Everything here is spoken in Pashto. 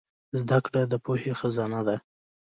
زدهکړه د پوهې خزانه ده.